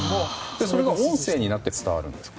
それが音声になって伝わるんですか？